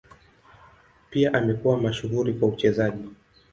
Pia amekuwa mashuhuri kwa uchezaji.